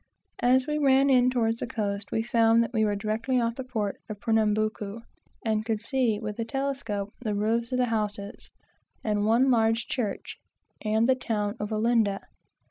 As we ran in towards the coast, we found that we were directly off the port of Pernambuco, and could see with the telescope the roofs of the houses, and one large church, and the town of Olinda.